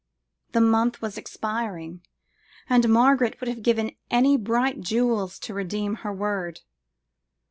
The month was expiring, and Margaret would have given many bright jewels to redeem her word.